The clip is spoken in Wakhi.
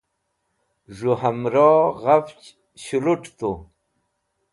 z̃hu hamro ghafch shulut tu